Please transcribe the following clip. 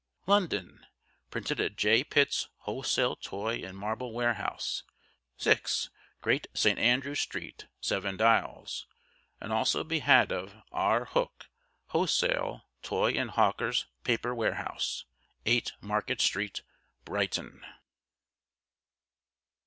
LONDON: Printed at J. Pitt's Wholesale Toy and Marble Warehouse, 6, Great St. Andrew Street, 7 Dials; and also be had of R. Hook, Wholesale Toy and Hawker's Paper Warehouse, 8, Market Street, Brighton.